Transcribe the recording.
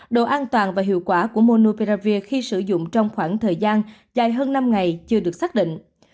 độ an toàn và hiệu quả của monopearavir khi sử dụng trong khoảng thời gian dài hơn năm ngày chưa được xác định